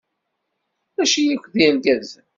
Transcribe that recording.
Maci akk d irgazen.